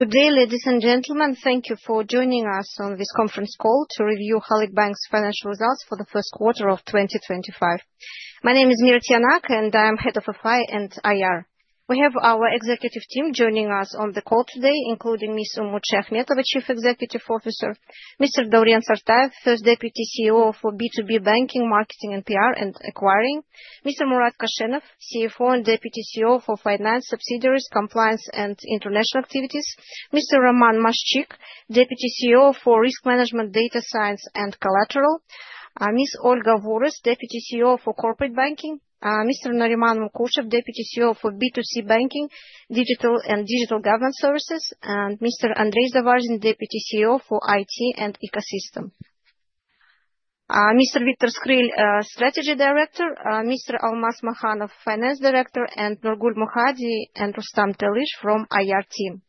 Today, ladies and gentlemen, thank you for joining us on this conference call to review Halyk Bank's financial results for the first quarter of 2025. My name is Mira Tiyanak, and I am Head of FI and IR. We have our executive team joining us on the call today, including Ms. Umut Shayakhmetova, Chief Executive Officer; Mr. Dorian Sartaev, First Deputy CEO for B2B Banking, Marketing, PR and Acquiring; Mr. Murat Koshenov, CFO and Deputy CEO for Finance, Subsidiaries, Compliance and International Activities; Mr. Roman Maszczyk, Deputy CEO for Risk Management, Data Science and Collateral; Ms. Olga Vores, Deputy CEO for Corporate Banking; Mr. Nuriman Mukhurchev, Deputy CEO for B2C Banking, Digital and Digital Governance Services; Mr. Andrey Zavarzin, Deputy CEO for IT and Ecosystem; Mr. Viktor Skryl, Strategy Director; Mr. Almas Makhanov, Finance Director; and Nurgul Mukhadi and Rustam Telish from the IR team.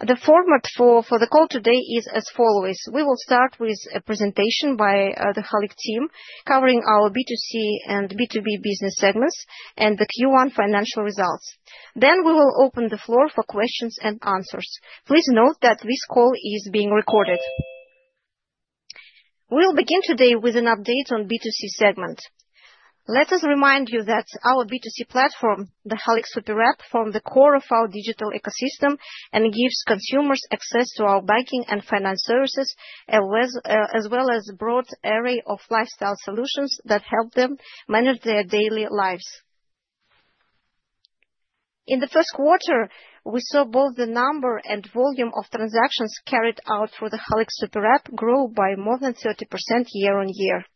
The format for the call today is as follows: we will start with a presentation by the Halyk team covering our B2C and B2B business segments and the Q1 financial results. Then we will open the floor for questions and answers. Please note that this call is being recorded. We'll begin today with an update on the B2C segment. Let us remind you that our B2C platform, the Halyk Super App, forms the core of our digital ecosystem and gives consumers access to our banking and finance services, as well as a broad array of lifestyle solutions that help them manage their daily lives. In the first quarter, we saw both the number and volume of transactions carried out through the Halyk Super App grow by more than 30% year-on-year.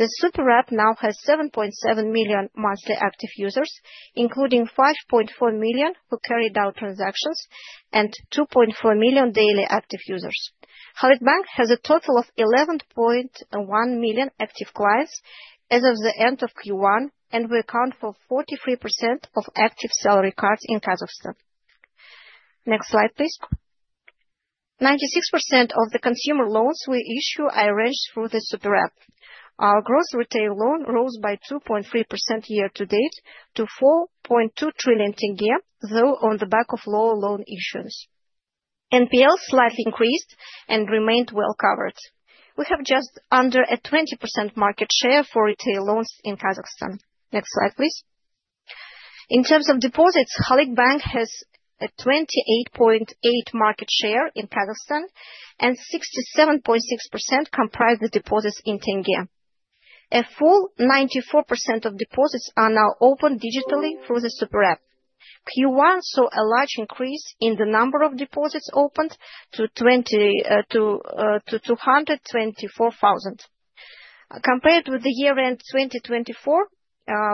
The Super App now has 7.7 million monthly active users, including 5.4 million who carried out transactions and 2.4 million daily active users. Halyk Bank has a total of 11.1 million active clients as of the end of Q1, and we account for 43% of active salary cards in Kazakhstan. Next slide, please. 96% of the consumer loans we issue are arranged through the Super App. Our gross retail loan rose by 2.3% year-to-date to KZT 4.2 trillion, though on the back of lower loan issuance. NPL slightly increased and remained well covered. We have just under a 20% market share for retail loans in Kazakhstan. Next slide, please. In terms of deposits, Halyk Bank has a 28.8% market share in Kazakhstan, and 67.6% comprise the deposits in tenge. A full 94% of deposits are now opened digitally through the Super App. Q1 saw a large increase in the number of deposits opened to 224,000. Compared with the year-end 2024,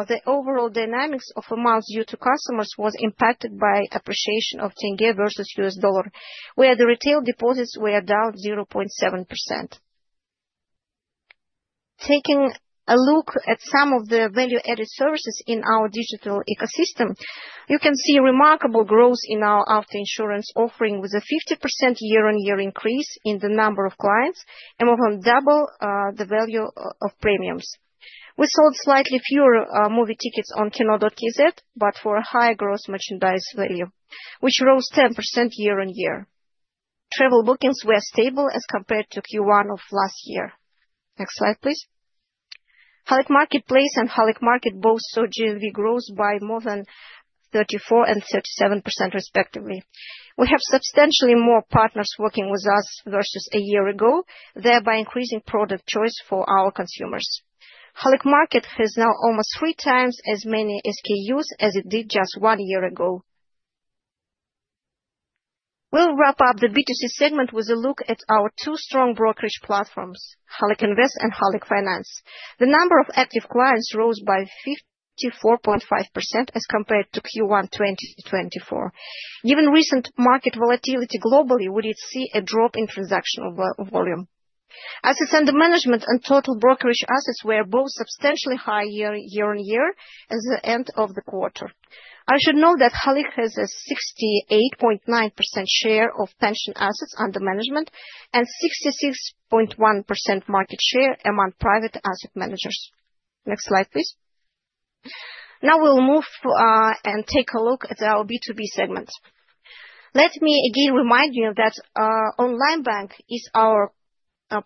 the overall dynamics of amounts due to customers were impacted by the appreciation of KZT versus USD, where the retail deposits were down 0.7%. Taking a look at some of the value-added services in our digital ecosystem, you can see remarkable growth in our auto insurance offering, with a 50% year-on-year increase in the number of clients and more than double the value of premiums. We sold slightly fewer movie tickets on Kino.kz, but for a higher gross merchandise value, which rose 10% year-on-year. Travel bookings were stable as compared to Q1 of last year. Next slide, please. Halyk Marketplace and Halyk Market both saw GMV growth by more than 34% and 37%, respectively. We have substantially more partners working with us versus a year ago, thereby increasing product choice for our consumers. Halyk Market has now almost three times as many SKUs as it did just one year ago. We'll wrap up the B2C segment with a look at our two strong brokerage platforms, Halyk Invest and Halyk Finance. The number of active clients rose by 54.5% as compared to Q1 2024. Given recent market volatility globally, we did see a drop in transactional volume. Assets under management and total brokerage assets were both substantially higher year-on-year at the end of the quarter. I should note that Halyk has a 68.9% share of pension assets under management and 66.1% market share among private asset managers. Next slide, please. Now we'll move and take a look at our B2B segment. Let me again remind you that Online Bank is our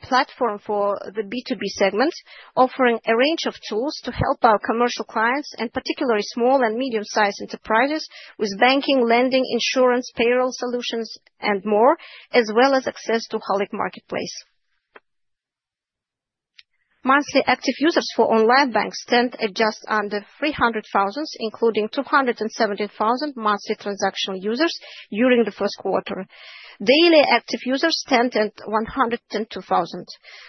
platform for the B2B segment, offering a range of tools to help our commercial clients, and particularly small and medium-sized enterprises, with banking, lending, insurance, payroll solutions, and more, as well as access to Halyk Marketplace. Monthly active users for Online Bank stand at just under 300,000, including 217,000 monthly transactional users during the first quarter. Daily active users stand at 102,000.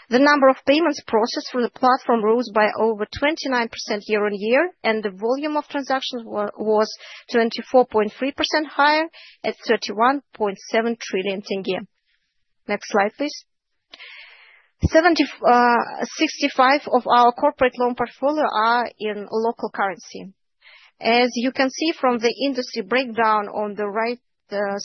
The number of payments processed through the platform rose by over 29% year-on-year, and the volume of transactions was 24.3% higher at KZT 31.7 trillion. Next slide, please. 65% of our corporate loan portfolio are in local currency. As you can see from the industry breakdown on the right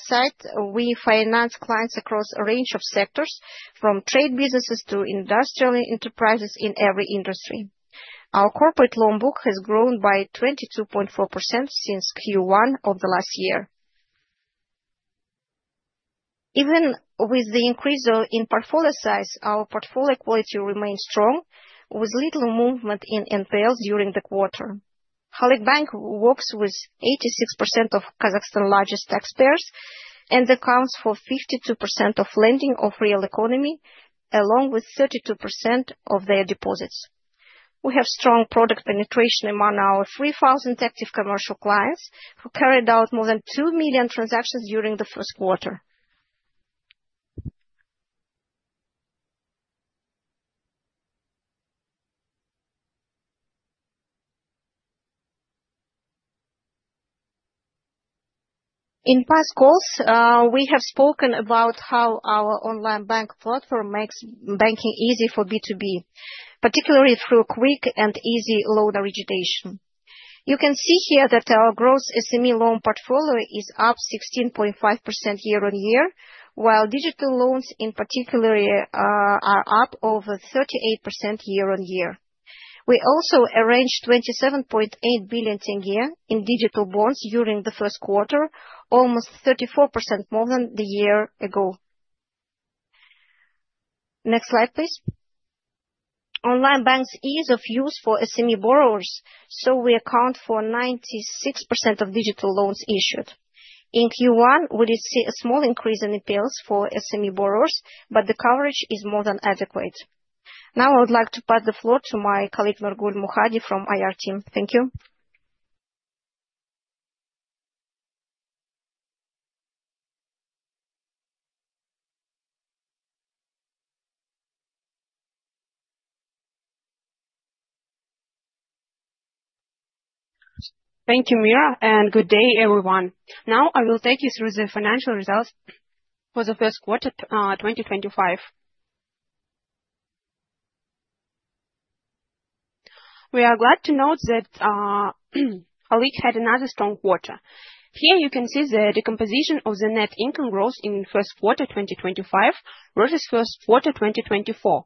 side, we finance clients across a range of sectors, from trade businesses to industrial enterprises in every industry. Our corporate loan book has grown by 22.4% since Q1 of the last year. Even with the increase in portfolio size, our portfolio quality remains strong, with little movement in NPLs during the quarter. Halyk Bank works with 86% of Kazakhstan's largest taxpayers and accounts for 52% of lending of real economy, along with 32% of their deposits. We have strong product penetration among our 3,000 active commercial clients, who carried out more than two million transactions during the first quarter. In past calls, we have spoken about how our Online Bank platform makes banking easy for B2B, particularly through quick and easy loan origination. You can see here that our gross SME loan portfolio is up 16.5% year-on-year, while digital loans, in particular, are up over 38% year-on-year. We also arranged KZT 27.8 billion in digital bonds during the first quarter, almost 34% more than the year ago. Next slide, please. Online Bank's ease of use for SME borrowers: we account for 96% of digital loans issued. In Q1, we did see a small increase in NPLs for SME borrowers, but the coverage is more than adequate. Now I would like to pass the floor to my colleague Nurgul Mukhadi from IR team. Thank you. Thank you, Mira, and good day, everyone. Now I will take you through the financial results for the first quarter 2025. We are glad to note that Halyk had another strong quarter. Here you can see the decomposition of the net income growth in the first quarter 2025 versus the first quarter 2024.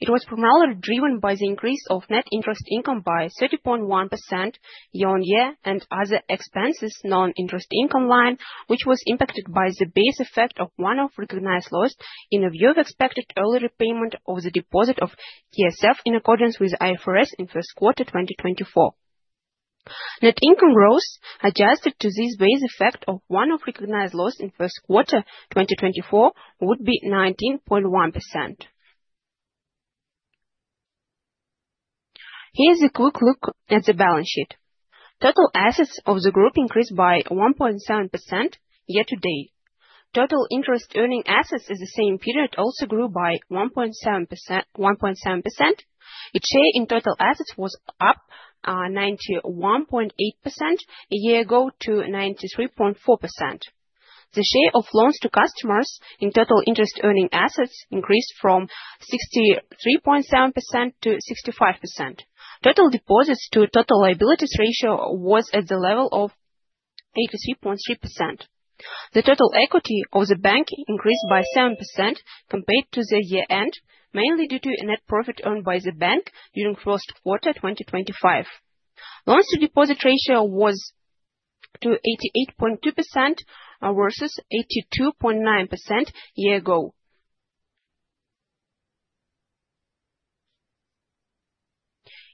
It was primarily driven by the increase of net interest income by 30.1% year-on-year and other expenses non-interest income line, which was impacted by the base effect of one-off recognized loss in view of expected early repayment of the deposit of TSF in accordance with the IFRS in the first quarter 2024. Net income growth adjusted to this base effect of one-off recognized loss in the first quarter 2024 would be 19.1%. Here's a quick look at the balance sheet. Total assets of the group increased by 1.7% year-to-date. Total interest-earning assets in the same period also grew by 1.7%. Its share in total assets was up from 91.8% a year ago to 93.4%. The share of loans to customers in total interest-earning assets increased from 63.7% to 65%. Total deposits to total liabilities ratio was at the level of 83.3%. The total equity of the bank increased by 7% compared to the year-end, mainly due to net profit earned by the bank during the first quarter 2025. Loans-to-deposit ratio was at 88.2% versus 82.9% a year ago.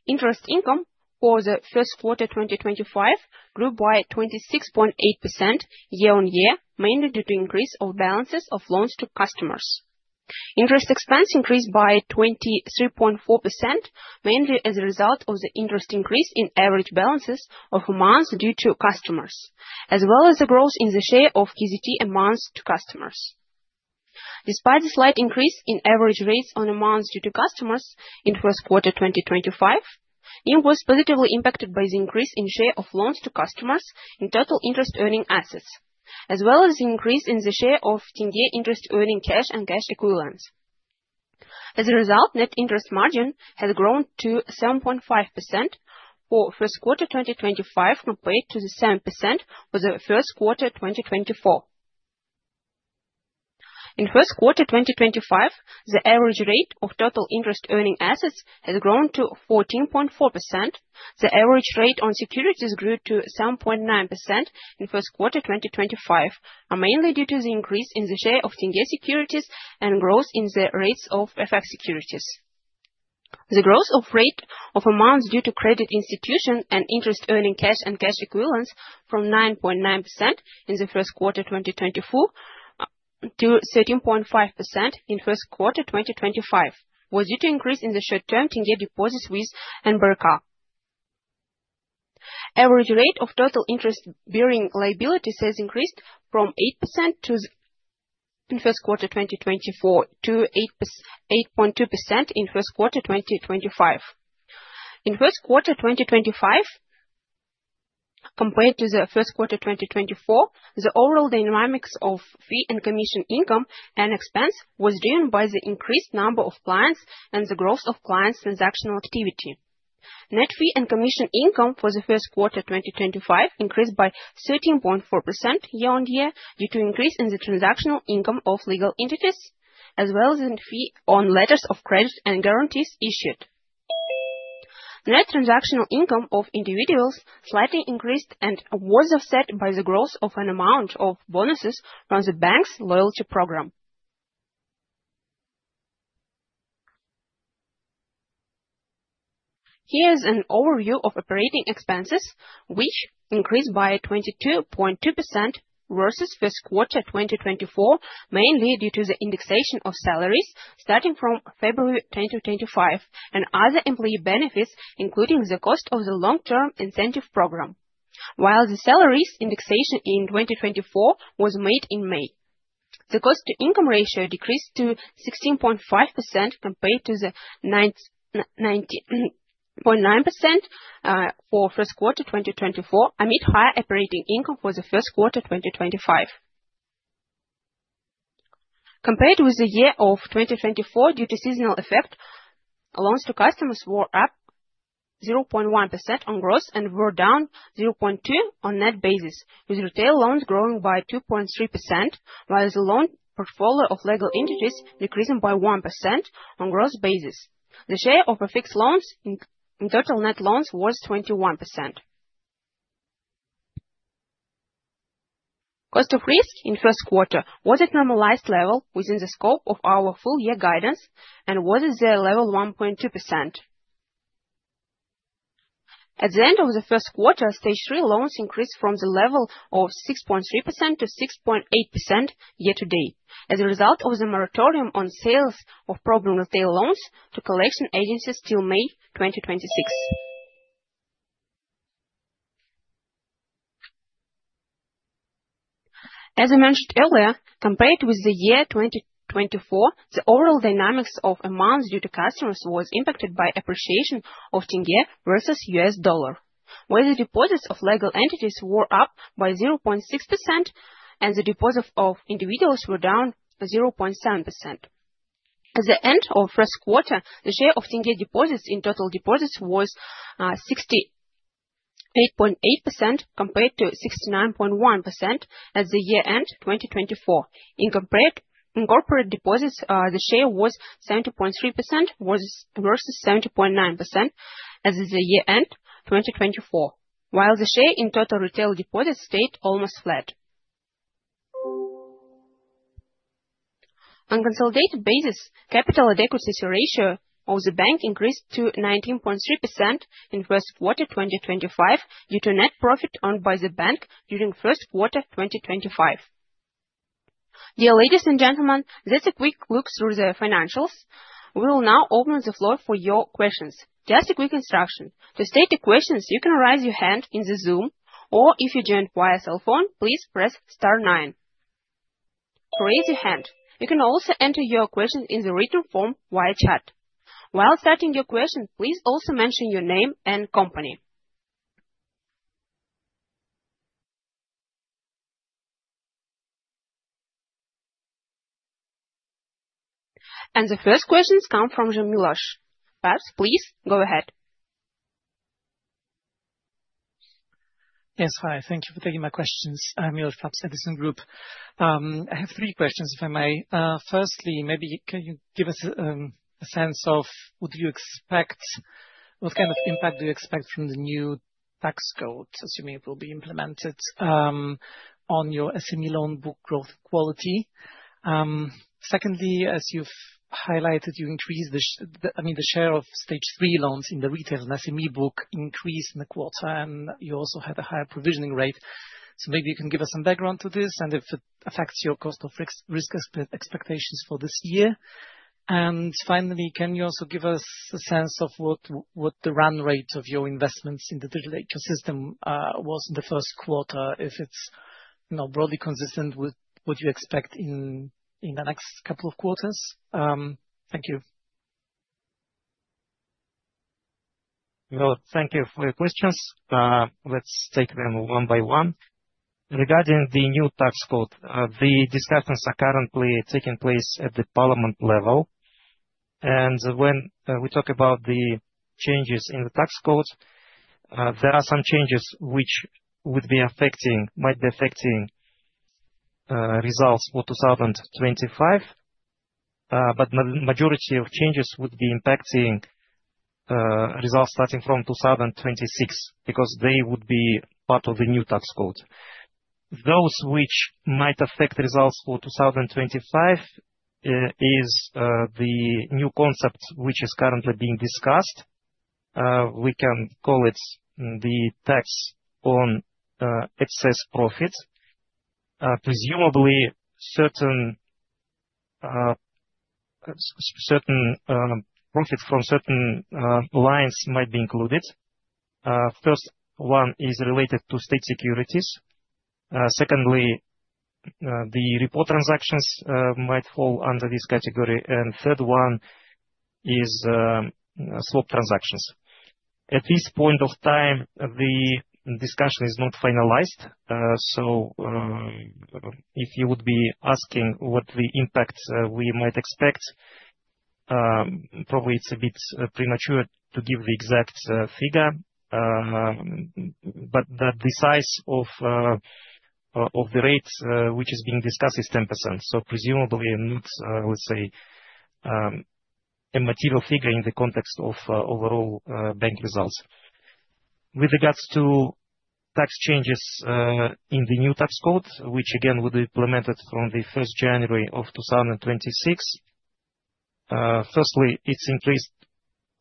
Interest income for the first quarter 2025 grew by 26.8% year-on-year, mainly due to the increase of balances of loans to customers. Interest expense increased by 23.4%, mainly as a result of the increase in average balances of amounts due to customers, as well as the growth in the share of KZT amounts to customers. Despite the slight increase in average rates on amounts due to customers in the first quarter 2025, it was positively impacted by the increase in the share of loans to customers in total interest-earning assets, as well as the increase in the share of KZT interest-earning cash and cash equivalents. As a result, net interest margin had grown to 7.5% for the first quarter 2025 compared to the 7% for the first quarter 2024. In the first quarter 2025, the average rate of total interest-earning assets had grown to 14.4%. The average rate on securities grew to 7.9% in the first quarter 2025, mainly due to the increase in the share of KZT securities and growth in the rates of FX securities. The growth of the rate of amounts due to credit institutions and interest-earning cash and cash equivalents from 9.9% in the first quarter 2024 to 13.5% in the first quarter 2025 was due to an increase in the short-term KZT deposits with NBRKA. The average rate of total interest-bearing liabilities has increased from 8% in the first quarter 2024 to 8.2% in the first quarter 2025. In the first quarter 2025, compared to the first quarter 2024, the overall dynamics of fee and commission income and expense was driven by the increased number of clients and the growth of clients' transactional activity. Net fee and commission income for the first quarter 2025 increased by 13.4% year-on-year due to an increase in the transactional income of legal entities, as well as in fee on letters of credit and guarantees issued. Net transactional income of individuals slightly increased and was offset by the growth of an amount of bonuses from the bank's loyalty program. Here is an overview of operating expenses, which increased by 22.2% versus the first quarter 2024, mainly due to the indexation of salaries starting from February 2025 and other employee benefits, including the cost of the long-term incentive program, while the salaries' indexation in 2024 was made in May. The cost-to-income ratio decreased to 16.5% compared to the 9.9% for the first quarter 2024, amid higher operating income for the first quarter 2025. Compared with the year of 2024, due to seasonal effects, loans to customers were up 0.1% on gross and were down 0.2% on net basis, with retail loans growing by 2.3%, while the loan portfolio of legal entities decreased by 1% on gross basis. The share of fixed loans in total net loans was 21%. Cost of risk in the first quarter was at normalized level within the scope of our full-year guidance, and was at the level 1.2%. At the end of the first quarter, stage three loans increased from the level of 6.3% to 6.8% year-to-date, as a result of the moratorium on sales of problem retail loans to collection agencies till May 2026. As I mentioned earlier, compared with the year 2024, the overall dynamics of amounts due to customers was impacted by appreciation of tenge versus U.S. dollar, where the deposits of legal entities were up by 0.6% and the deposits of individuals were down 0.7%. At the end of the first quarter, the share of tenge deposits in total deposits was 68.8% compared to 69.1% at the year-end 2024. In corporate deposits, the share was 70.3% versus 70.9% at the year-end 2024, while the share in total retail deposits stayed almost flat. On a consolidated basis, capital adequacy ratio of the bank increased to 19.3% in the first quarter 2025 due to net profit earned by the bank during the first quarter 2025. Dear ladies and gentlemen, that's a quick look through the financials. We will now open the floor for your questions. Just a quick instruction: to state the questions, you can raise your hand in the Zoom, or if you joined via cell phone, please press star nine. Raise your hand. You can also enter your questions in the written form via chat. While starting your question, please also mention your name and company. The first questions come from Miloš Paps. Please go ahead. Yes, hi. Thank you for taking my questions. I'm Miloš Paps at the Sun Group. I have three questions, if I may. Firstly, maybe can you give us a sense of what do you expect? What kind of impact do you expect from the new tax code, assuming it will be implemented, on your SME loan book growth quality? Secondly, as you've highlighted, you increased the share of stage three loans in the retail and SME book increase in the quarter, and you also had a higher provisioning rate. Maybe you can give us some background to this and if it affects your cost of risk expectations for this year. Finally, can you also give us a sense of what the run rate of your investments in the digital ecosystem was in the first quarter, if it's broadly consistent with what you expect in the next couple of quarters? Thank you. Thank you for your questions. Let's take them one by one. Regarding the new tax code, the discussions are currently taking place at the parliament level. When we talk about the changes in the tax code, there are some changes which would be affecting, might be affecting results for 2025, but the majority of changes would be impacting results starting from 2026 because they would be part of the new tax code. Those which might affect results for 2025 is the new concept which is currently being discussed. We can call it the tax on excess profits. Presumably, certain profits from certain lines might be included. First one is related to state securities. Secondly, the report transactions might fall under this category. The third one is swap transactions. At this point of time, the discussion is not finalized. If you would be asking what the impact we might expect, probably it's a bit premature to give the exact figure, but the size of the rate which is being discussed is 10%. Presumably, not, let's say, a material figure in the context of overall bank results. With regards to tax changes in the new tax code, which again would be implemented from 1st January 2026, firstly, it's increased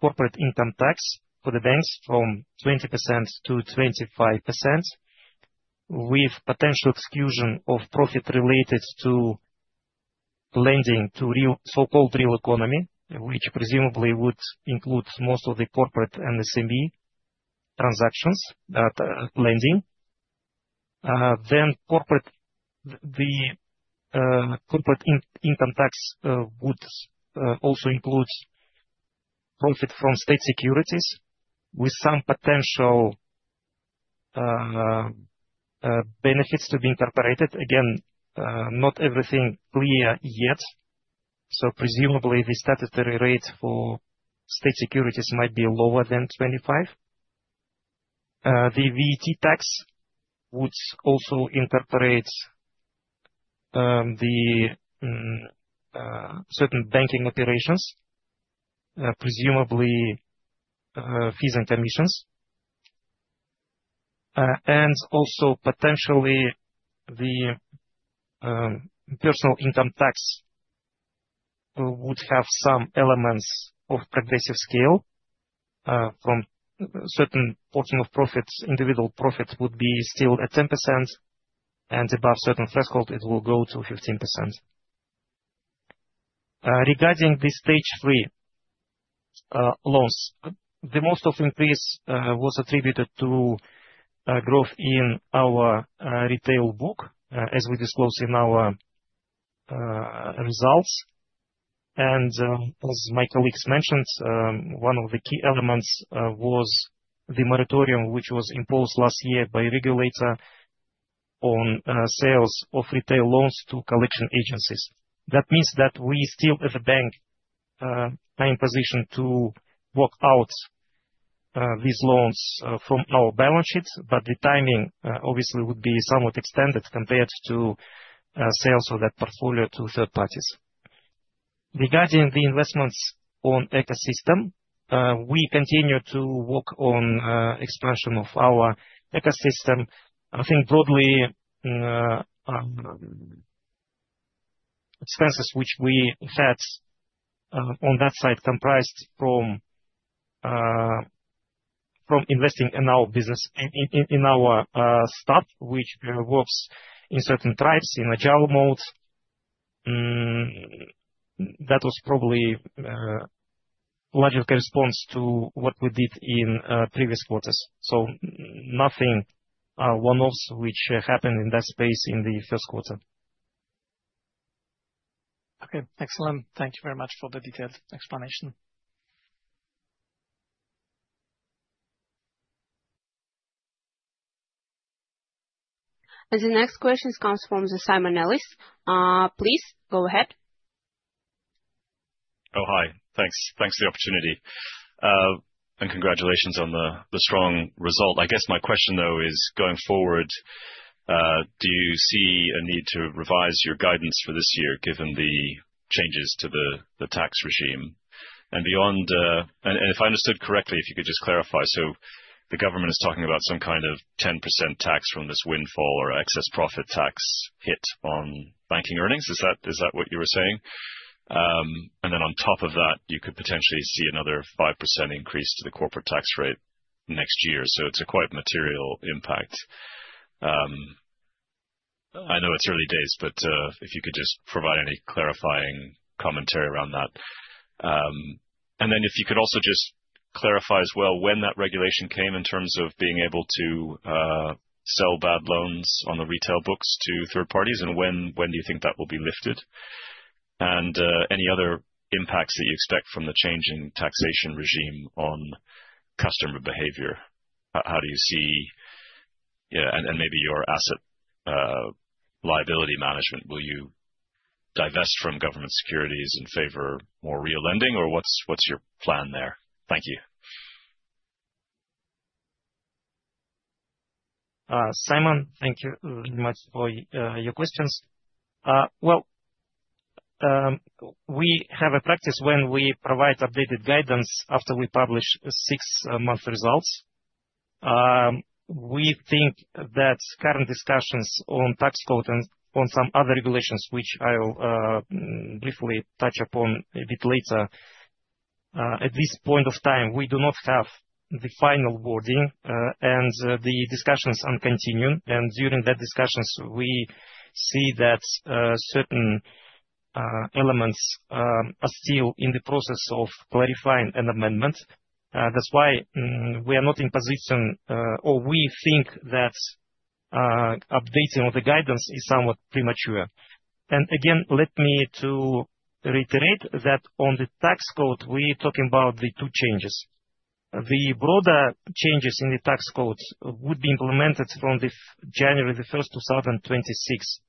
corporate income tax for the banks from 20% to 25%, with potential exclusion of profit related to lending to so-called real economy, which presumably would include most of the corporate and SME transactions lending. The corporate income tax would also include profit from state securities with some potential benefits to be incorporated. Again, not everything clear yet. Presumably, the statutory rate for state securities might be lower than 25%. The VAT tax would also incorporate certain banking operations, presumably fees and commissions. Also, potentially, the personal income tax would have some elements of progressive scale from certain portion of profits. Individual profit would be still at 10%, and above a certain threshold, it will go to 15%. Regarding the stage tthree loans, the most of the increase was attributed to growth in our retail book, as we disclose in our results. As my colleagues mentioned, one of the key elements was the moratorium which was imposed last year by a regulator on sales of retail loans to collection agencies. That means that we still, as a bank, are in position to walk out these loans from our balance sheet, but the timing obviously would be somewhat extended compared to sales of that portfolio to third parties. Regarding the investments on ecosystem, we continue to work on the expansion of our ecosystem. I think broadly, expenses which we had on that side comprised from investing in our business, in our staff, which works in certain tribes in agile mode. That was probably a logical response to what we did in previous quarters. Nothing one-offs which happened in that space in the first quarter. Okay. Excellent. Thank you very much for the detailed explanation. The next question comes from Simon Ellis. Please go ahead. Oh, hi. Thanks for the opportunity and congratulations on the strong result. I guess my question, though, is going forward, do you see a need to revise your guidance for this year given the changes to the tax regime? If I understood correctly, if you could just clarify, the government is talking about some kind of 10% tax from this windfall or excess profit tax hit on banking earnings. Is that what you were saying? On top of that, you could potentially see another 5% increase to the corporate tax rate next year. It is a quite material impact. I know it is early days, but if you could just provide any clarifying commentary around that. If you could also just clarify as well when that regulation came in terms of being able to sell bad loans on the retail books to third parties, and when do you think that will be lifted? Any other impacts that you expect from the changing taxation regime on customer behavior? How do you see, and maybe your asset liability management? Will you divest from government securities in favor of more real lending, or what is your plan there? Thank you. Simon, thank you very much for your questions. We have a practice when we provide updated guidance after we publish six-month results. We think that current discussions on tax code and on some other regulations, which I'll briefly touch upon a bit later, at this point of time, we do not have the final wording, and the discussions are continuing. During that discussions, we see that certain elements are still in the process of clarifying and amendment. That's why we are not in position, or we think that updating of the guidance is somewhat premature. Again, let me reiterate that on the tax code, we're talking about the two changes. The broader changes in the tax code would be implemented from January 1st, 2026.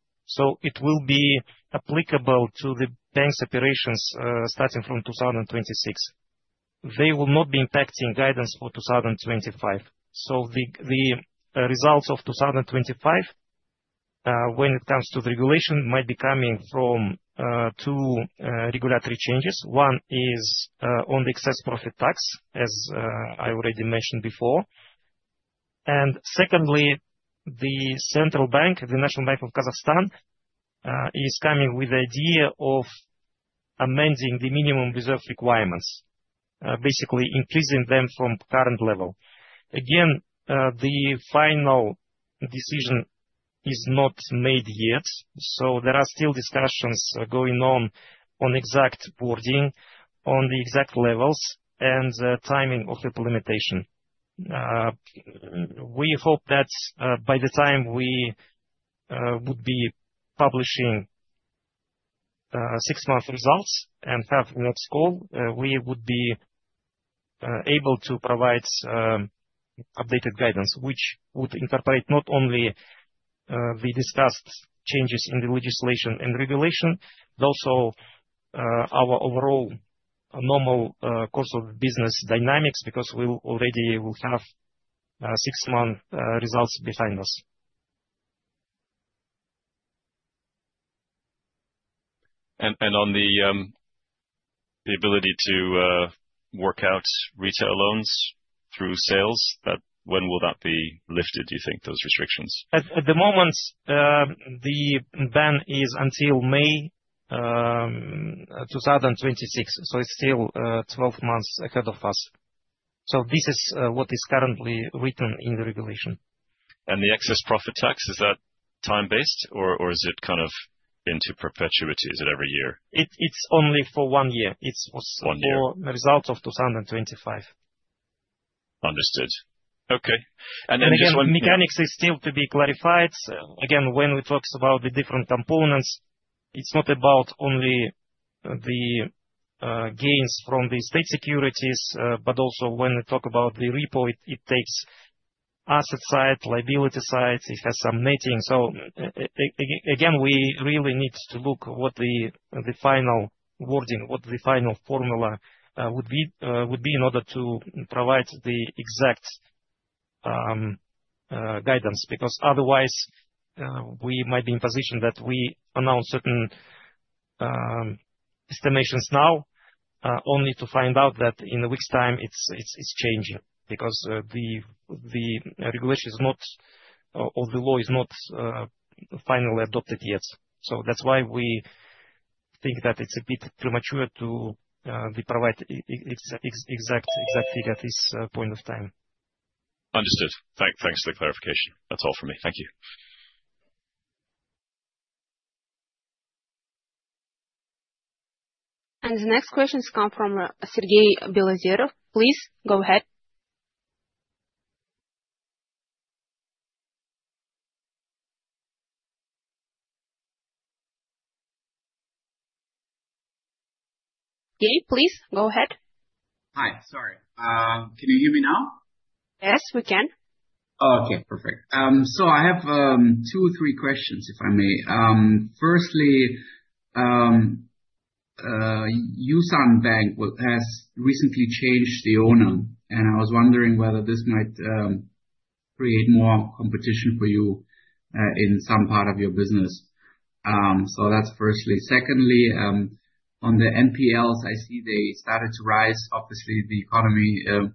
It will be applicable to the bank's operations starting from 2026. They will not be impacting guidance for 2025. The results of 2025, when it comes to the regulation, might be coming from two regulatory changes. One is on the excess profit tax, as I already mentioned before. Secondly, the Central Bank, the National Bank of Kazakhstan, is coming with the idea of amending the minimum reserve requirements, basically increasing them from the current level. Again, the final decision is not made yet. There are still discussions going on on exact wording, on the exact levels, and the timing of implementation. We hope that by the time we would be publishing six-month results and have the next call, we would be able to provide updated guidance, which would incorporate not only the discussed changes in the legislation and regulation, but also our overall normal course of business dynamics because we already will have six-month results behind us. On the ability to work out retail loans through sales, when will that be lifted, do you think, those restrictions? At the moment, the ban is until May 2026, so it's still 12 months ahead of us. This is what is currently written in the regulation. Is the excess profit tax time-based, or is it kind of into perpetuity? Is it every year? It's only for one year. One year. It's for the results of 2025. Understood. Okay. And then just one. Again, mechanics is still to be clarified. Again, when we talk about the different components, it's not about only the gains from the state securities, but also when we talk about the repo, it takes asset side, liability side. It has some netting. Again, we really need to look at what the final wording, what the final formula would be in order to provide the exact guidance because otherwise, we might be in a position that we announce certain estimations now only to find out that in a week's time, it's changing because the regulation is not, or the law is not finally adopted yet. That is why we think that it's a bit premature to provide the exact figure at this point of time. Understood. Thanks for the clarification. That's all for me. Thank you. The next questions come from Sergey Belazerov. Please go ahead. Sergey, please go ahead. Hi. Sorry. Can you hear me now? Yes, we can. Okay. Perfect. I have two or three questions, if I may. Firstly, USAN Bank has recently changed the owner, and I was wondering whether this might create more competition for you in some part of your business. That's firstly. Secondly, on the NPLs, I see they started to rise. Obviously, the economy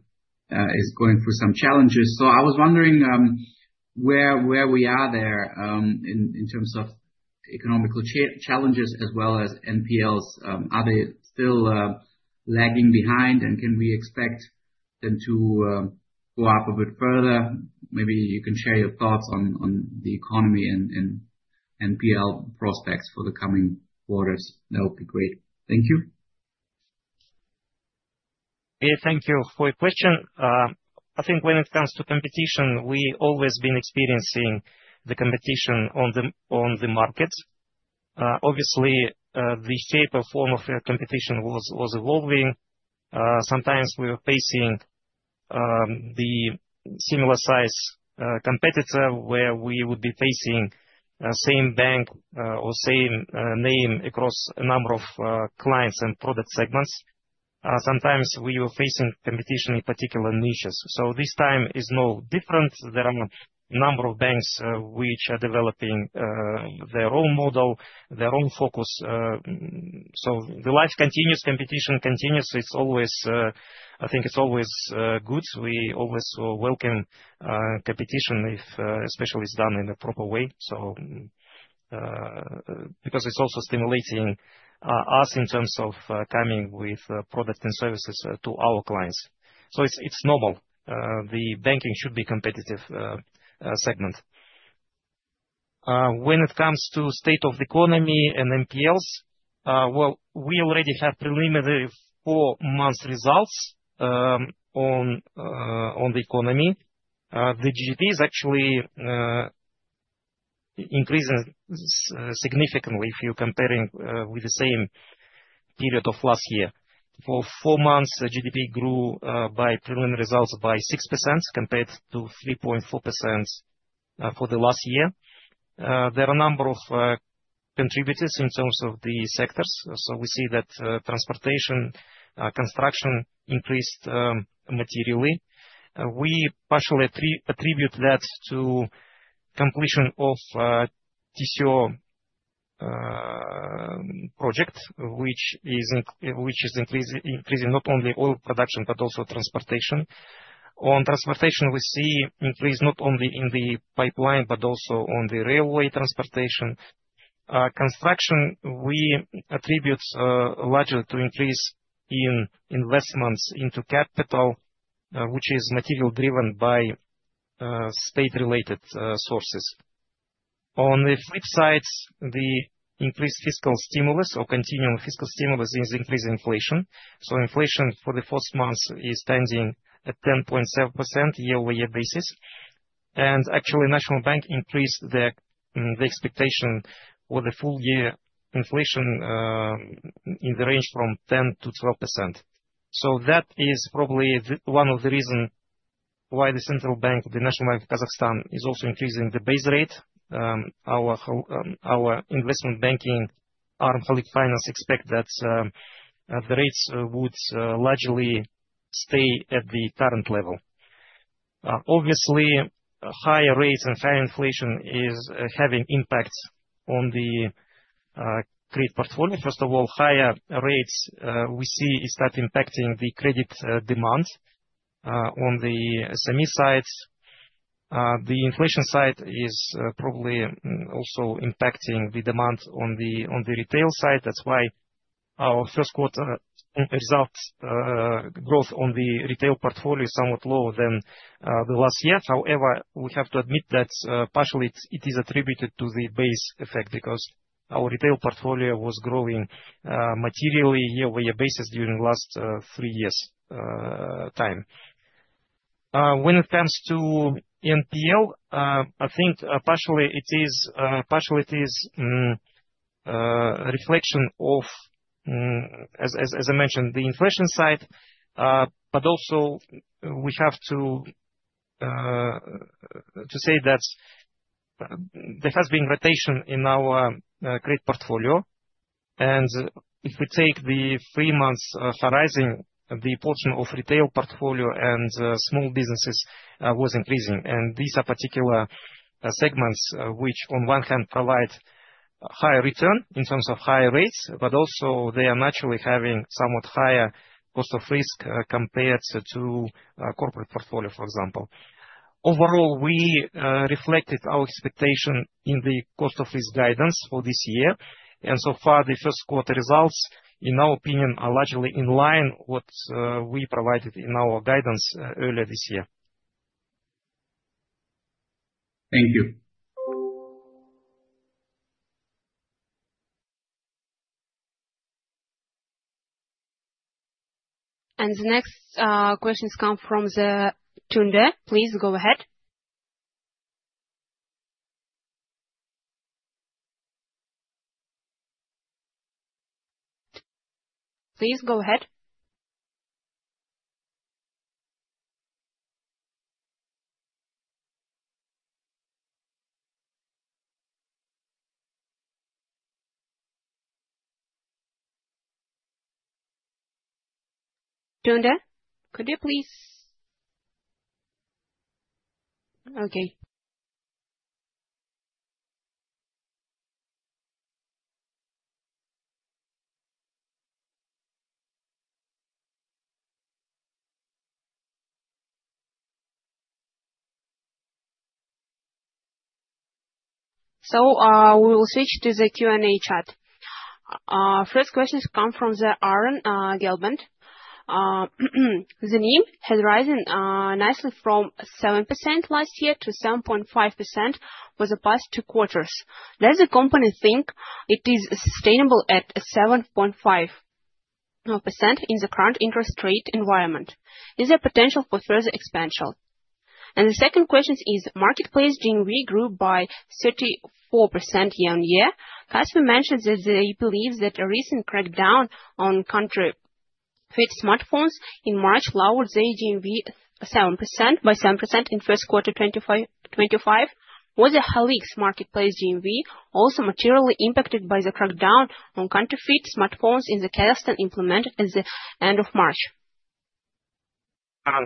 is going through some challenges. I was wondering where we are there in terms of economical challenges as well as NPLs. Are they still lagging behind, and can we expect them to go up a bit further? Maybe you can share your thoughts on the economy and NPL prospects for the coming quarters. That would be great. Thank you. Yeah, thank you for your question. I think when it comes to competition, we've always been experiencing the competition on the market. Obviously, the shape or form of competition was evolving. Sometimes we were facing the similar-sized competitor where we would be facing the same bank or same name across a number of clients and product segments. Sometimes we were facing competition in particular niches. This time is no different. There are a number of banks which are developing their own model, their own focus. The life continues, competition continues. I think it's always good. We always welcome competition, especially if it's done in a proper way, because it's also stimulating us in terms of coming with products and services to our clients. It's normal. The banking should be a competitive segment. When it comes to the state of the economy and NPLs, we already have preliminary four-month results on the economy. The GDP is actually increasing significantly if you are comparing with the same period of last year. For four months, the GDP grew by preliminary results by 6% compared to 3.4% for last year. There are a number of contributors in terms of the sectors. We see that transportation, construction increased materially. We partially attribute that to the completion of the TCO project, which is increasing not only oil production but also transportation. On transportation, we see an increase not only in the pipeline but also on the railway transportation. Construction, we attribute largely to an increase in investments into capital, which is materially driven by state-related sources. On the flip side, the increased fiscal stimulus or continuing fiscal stimulus is increasing inflation. Inflation for the first month is standing at 10.7% year-over-year basis. Actually, the National Bank increased the expectation for the full-year inflation in the range from 10%-12%. That is probably one of the reasons why the Central Bank, the National Bank of Kazakhstan, is also increasing the base rate. Our investment banking, Aramkhalik Finance, expects that the rates would largely stay at the current level. Obviously, higher rates and higher inflation are having an impact on the credit portfolio. First of all, higher rates we see are starting to impact the credit demand on the SME side. The inflation side is probably also impacting the demand on the retail side. That is why our first-quarter result growth on the retail portfolio is somewhat lower than the last year. However, we have to admit that partially it is attributed to the base effect because our retail portfolio was growing materially year-over-year basis during the last three years' time. When it comes to NPL, I think partially it is a reflection of, as I mentioned, the inflation side, but also we have to say that there has been rotation in our credit portfolio. If we take the three-month horizon, the portion of the retail portfolio and small businesses was increasing. These are particular segments which, on one hand, provide a high return in terms of high rates, but also they are naturally having somewhat higher cost of risk compared to a corporate portfolio, for example. Overall, we reflected our expectation in the cost of risk guidance for this year. The first-quarter results, in our opinion, are largely in line with what we provided in our guidance earlier this year. Thank you. The next questions come from the tunder. Please go ahead. Tunder, could you please? Okay. We will switch to the Q&A chat. First questions come from Arun Gelband. The NIM has risen nicely from 7% last year to 7.5% for the past two quarters. Does the company think it is sustainable at 7.5% in the current interest rate environment? Is there potential for further expansion? The second question is, marketplace GMV grew by 34% year-on-year. Kasper mentioned that he believes that a recent crackdown on country-fit smartphones in March lowered the GMV by 7% in the first quarter of 2025. Was the Halyk's marketplace GMV also materially impacted by the crackdown on country-fit smartphones in Kazakhstan implemented at the end of March?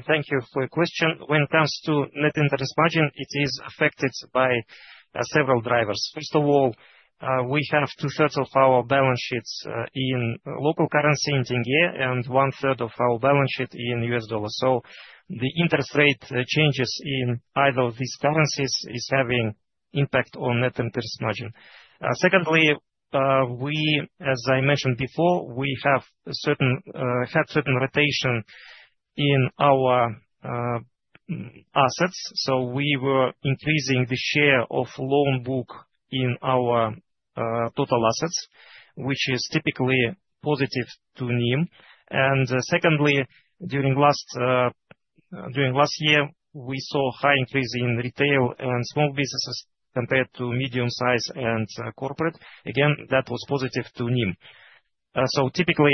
Thank you for your question. When it comes to net interest margin, it is affected by several drivers. First of all, we have two-thirds of our balance sheet in local currency in tenge and one-third of our balance sheet in U.S. dollars. The interest rate changes in either of these currencies are having an impact on net interest margin. Secondly, as I mentioned before, we have had certain rotation in our assets. We were increasing the share of loan book in our total assets, which is typically positive to NIM. Secondly, during last year, we saw a high increase in retail and small businesses compared to medium-sized and corporate. Again, that was positive to NIM. Typically,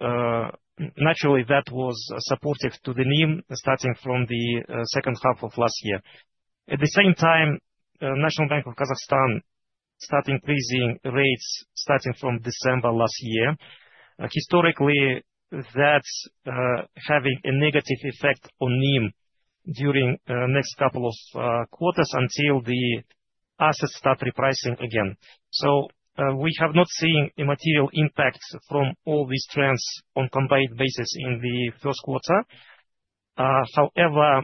naturally, that was supportive to the NIM starting from the second half of last year. At the same time, the National Bank of Kazakhstan started increasing rates starting from December last year. Historically, that's having a negative effect on NIM during the next couple of quarters until the assets start repricing again. We have not seen a material impact from all these trends on a combined basis in the first quarter. However,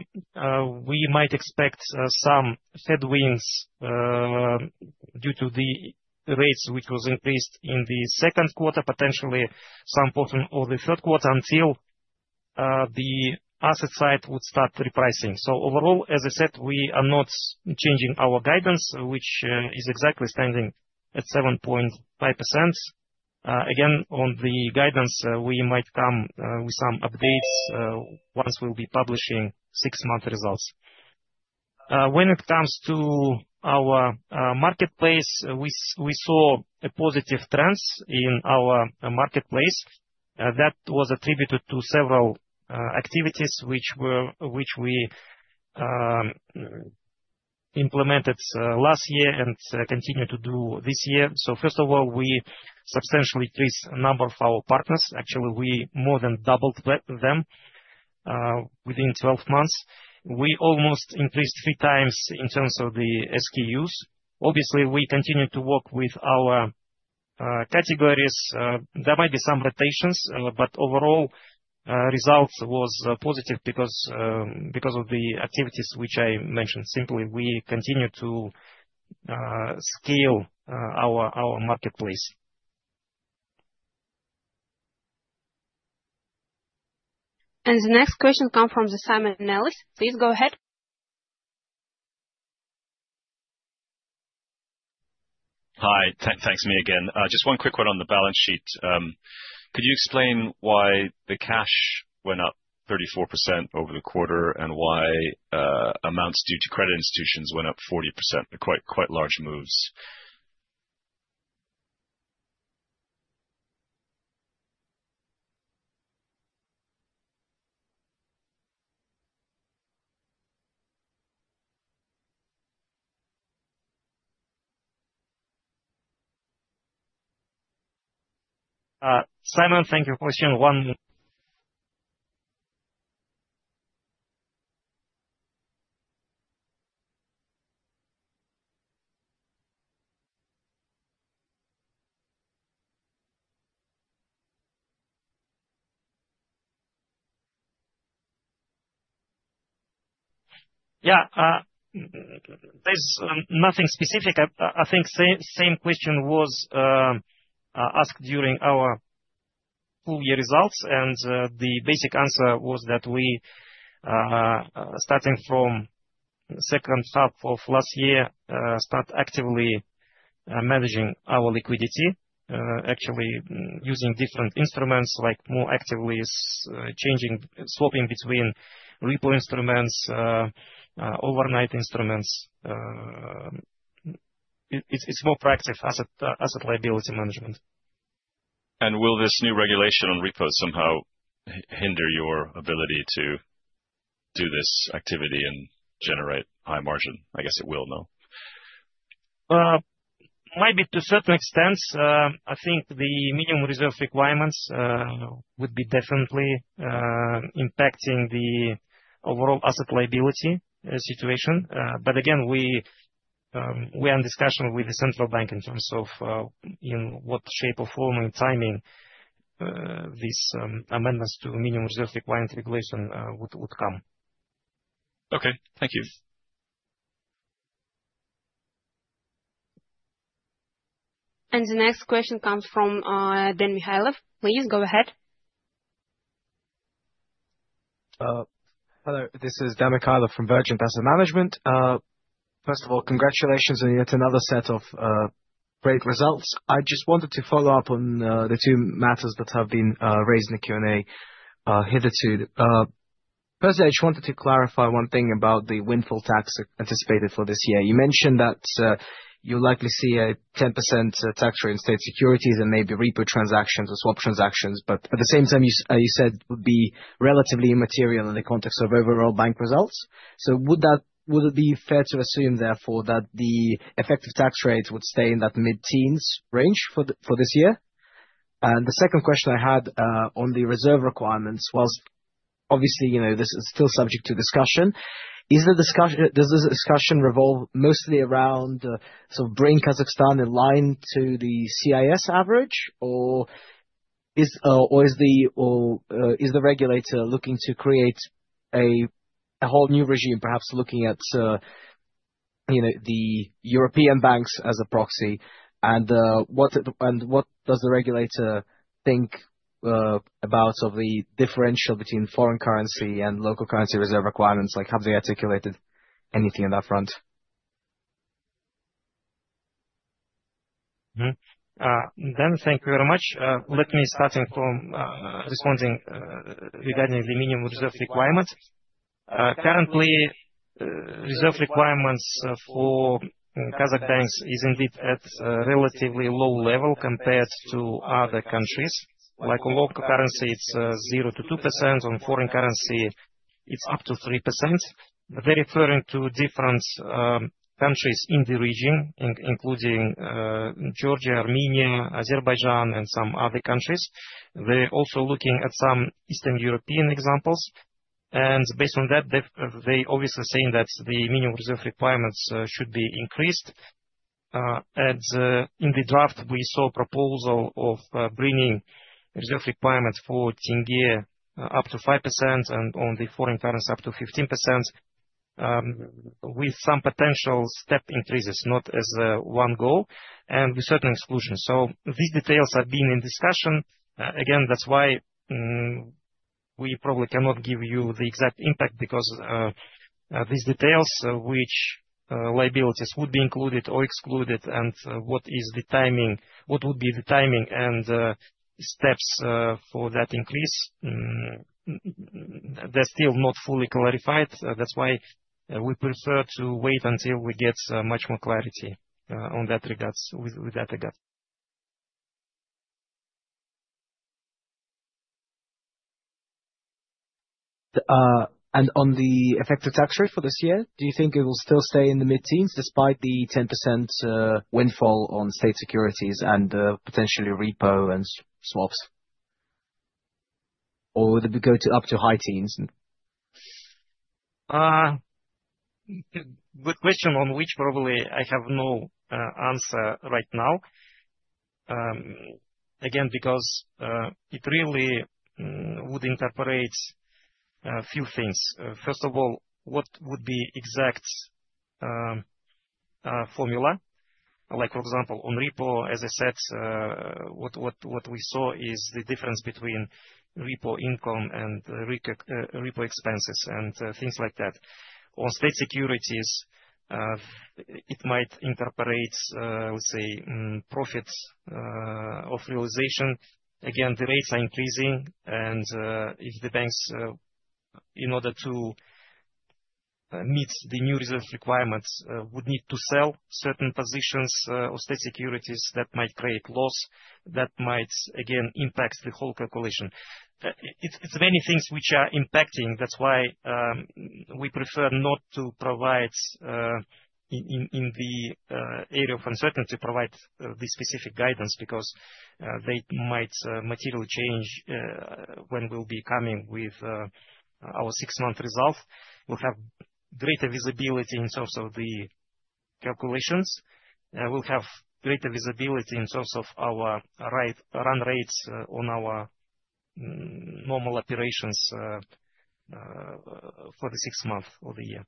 we might expect some headwinds due to the rates, which were increased in the second quarter, potentially some portion of the third quarter until the asset side would start repricing. Overall, as I said, we are not changing our guidance, which is exactly standing at 7.5%. Again, on the guidance, we might come with some updates once we'll be publishing six-month results. When it comes to our marketplace, we saw positive trends in our marketplace. That was attributed to several activities which we implemented last year and continue to do this year. First of all, we substantially increased the number of our partners. Actually, we more than doubled them within 12 months. We almost increased three times in terms of the SKUs. Obviously, we continue to work with our categories. There might be some rotations, but overall, the result was positive because of the activities which I mentioned. Simply, we continue to scale our marketplace. The next question comes from Simeon Nellis. Please go ahead. Hi. Thanks, Mira, again. Just one quick one on the balance sheet. Could you explain why the cash went up 34% over the quarter and why amounts due to credit institutions went up 40%? Quite large moves. Simon, thank you for your question. Yeah. There's nothing specific. I think the same question was asked during our full-year results, and the basic answer was that we started from the second half of last year, started actively managing our liquidity, actually using different instruments, like more actively swapping between repo instruments, overnight instruments. It's more proactive asset liability management. Will this new regulation on repos somehow hinder your ability to do this activity and generate high margin? I guess it will, no? Maybe to a certain extent. I think the minimum reserve requirements would be definitely impacting the overall asset liability situation. Again, we are in discussion with the Central Bank in terms of in what shape or form and timing these amendments to minimum reserve requirement regulation would come. Okay. Thank you. The next question comes from Dan Mikhaylov. Please go ahead. Hello. This is Dan Mikhaylov from Virgin Asset Management. First of all, congratulations on yet another set of great results. I just wanted to follow up on the two matters that have been raised in the Q&A hitherto. Firstly, I just wanted to clarify one thing about the windfall tax anticipated for this year. You mentioned that you'll likely see a 10% tax rate on state securities and maybe repo transactions or swap transactions, but at the same time, you said it would be relatively immaterial in the context of overall bank results. Would it be fair to assume, therefore, that the effective tax rate would stay in that mid-teens range for this year? The second question I had on the reserve requirements was, obviously, this is still subject to discussion. Does this discussion revolve mostly around sort of bringing Kazakhstan in line to the CIS average, or is the regulator looking to create a whole new regime, perhaps looking at the European banks as a proxy? What does the regulator think about the differential between foreign currency and local currency reserve requirements? Like, have they articulated anything on that front? Dan, thank you very much. Let me start from responding regarding the minimum reserve requirements. Currently, reserve requirements for Kazakh banks are indeed at a relatively low level compared to other countries. Like a local currency, it's 0%-2%. On foreign currency, it's up to 3%. They're referring to different countries in the region, including Georgia, Armenia, Azerbaijan, and some other countries. They're also looking at some Eastern European examples. Based on that, they're obviously saying that the minimum reserve requirements should be increased. In the draft, we saw a proposal of bringing reserve requirements for tenge up to 5% and on the foreign currency up to 15% with some potential step increases, not as one goal, and with certain exclusions. These details have been in discussion. Again, that's why we probably cannot give you the exact impact because these details, which liabilities would be included or excluded, and what would be the timing and steps for that increase, are still not fully clarified. That's why we prefer to wait until we get much more clarity with that regard. On the effective tax rate for this year, do you think it will still stay in the mid-teens despite the 10% windfall on state securities and potentially repo and swaps? Will it go up to high teens? Good question on which probably I have no answer right now. Again, because it really would incorporate a few things. First of all, what would be the exact formula? Like, for example, on repo, as I said, what we saw is the difference between repo income and repo expenses and things like that. On state securities, it might incorporate, let's say, profit of realization. Again, the rates are increasing, and if the banks, in order to meet the new reserve requirements, would need to sell certain positions or state securities, that might create loss that might, again, impact the whole calculation. It's many things which are impacting. That's why we prefer not to provide, in the area of uncertainty, provide this specific guidance because they might materially change when we'll be coming with our six-month results. We'll have greater visibility in terms of the calculations. We'll have greater visibility in terms of our run rates on our normal operations for the six months of the year.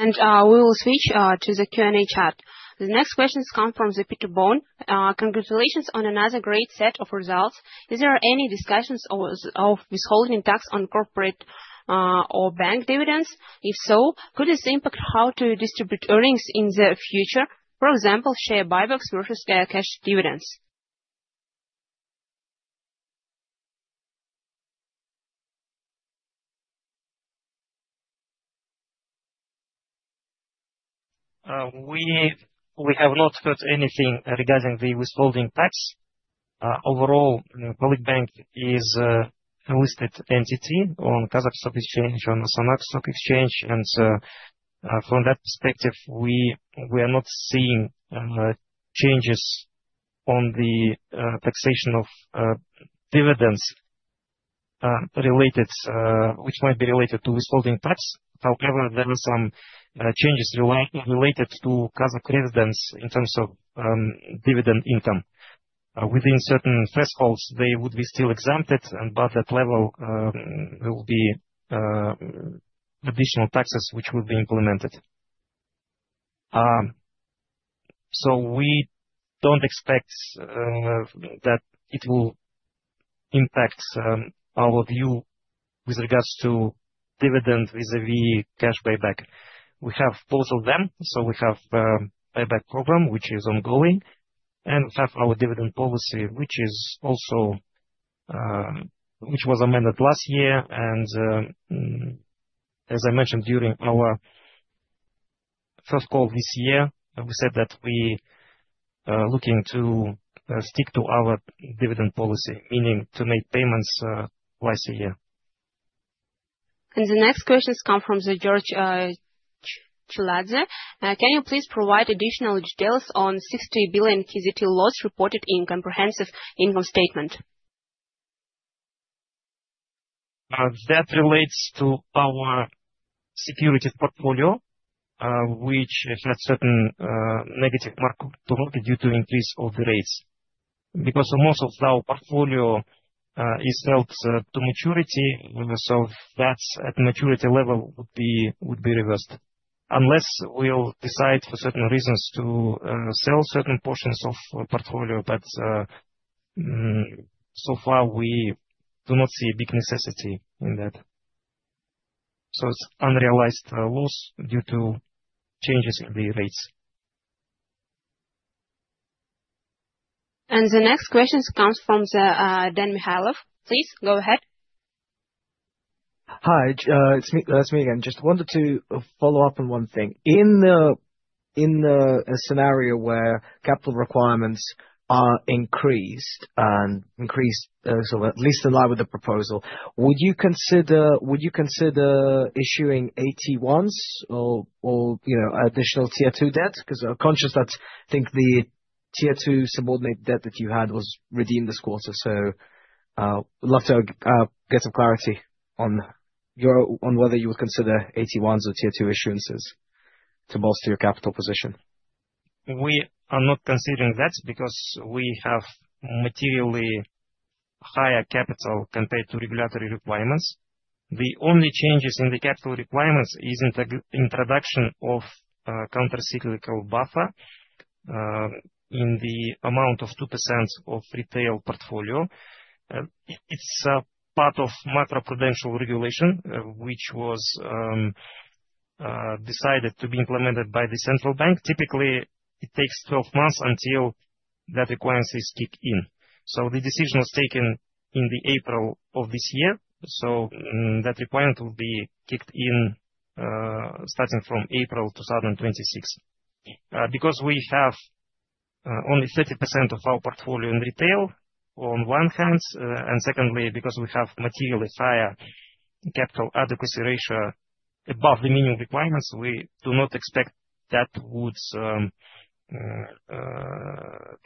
We will switch to the Q&A chat. The next questions come from Zipi Tobon. Congratulations on another great set of results. Is there any discussion of withholding tax on corporate or bank dividends? If so, could this impact how to distribute earnings in the future? For example, share buybacks versus cash dividends? We have not heard anything regarding the withholding tax. Overall, Halyk Bank is a listed entity on Kazakhstan Stock Exchange and the LSE. From that perspective, we are not seeing changes on the taxation of dividends related, which might be related to withholding tax. However, there are some changes related to Kazakh residents in terms of dividend income. Within certain thresholds, they would be still exempted, but at that level, there will be additional taxes which will be implemented. We do not expect that it will impact our view with regards to dividend vis-à-vis cash buyback. We have both of them. We have a buyback program which is ongoing, and we have our dividend policy, which was amended last year. As I mentioned during our first call this year, we said that we are looking to stick to our dividend policy, meaning to make payments twice a year. The next questions come from Georgeladze. Can you please provide additional details on KZT 60 billion loss reported in comprehensive income statement? That relates to our securities portfolio, which has certain negative markers due to the increase of the rates. Because most of our portfolio is held to maturity, so that at maturity level would be reversed. Unless we will decide for certain reasons to sell certain portions of the portfolio, but so far, we do not see a big necessity in that. It is unrealized loss due to changes in the rates. The next questions comes from Dan Mikhaylov. Please go ahead. Hi. It's me, again. Just wanted to follow up on one thing. In a scenario where capital requirements are increased and increased, so at least in line with the proposal, would you consider issuing AT1s or additional Tier 2 debt? Because I'm conscious that I think the Tier 2 subordinate debt that you had was redeemed this quarter. I'd love to get some clarity on whether you would consider AT1s or Tier 2 issuances to bolster your capital position. We are not considering that because we have materially higher capital compared to regulatory requirements. The only changes in the capital requirements are the introduction of a countercyclical buffer in the amount of 2% of the retail portfolio. It's part of macroprudential regulation, which was decided to be implemented by the Central Bank. Typically, it takes 12 months until that requirement is kicked in. The decision was taken in April of this year. That requirement will be kicked in starting from April 2026. Because we have only 30% of our portfolio in retail on one hand, and secondly, because we have materially higher capital adequacy ratio above the minimum requirements, we do not expect that would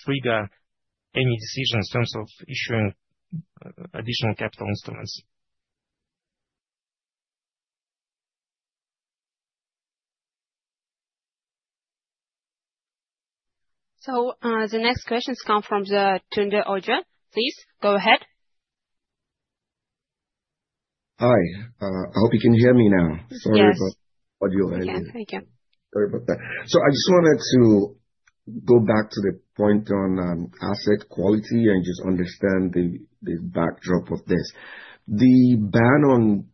trigger any decision in terms of issuing additional capital instruments. The next questions come from Tundra Audio. Please go ahead. Hi. I hope you can hear me now. Sorry about the audio earlier. Yes. Thank you. Sorry about that. I just wanted to go back to the point on asset quality and just understand the backdrop of this. The ban on